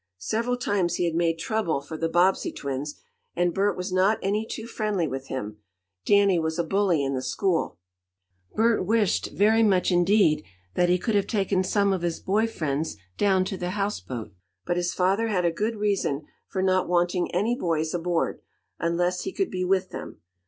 Several times he had made trouble for the Bobbsey twins, and Bert was not any too friendly with him. Danny was a bully in the school. Bert wished, very much indeed, that he could have taken some of his boy friends down to the houseboat, but his father had a good reason for not wanting any boys aboard, unless he could be with them.